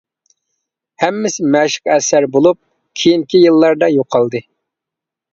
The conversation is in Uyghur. ھەممىسى مەشىق ئەسەر بولۇپ، كېيىنكى يىللاردا يوقالدى.